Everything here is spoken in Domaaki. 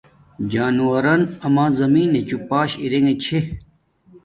جانورون اما زمین نچو پاش ارنگے چھے